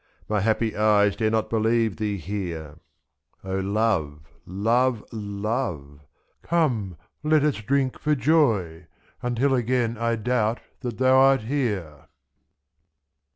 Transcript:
My happy eyes dare not believe thee here ! ^oL.O lovey lovey love, — come let us drink for joy Until again I doubt that thou art here!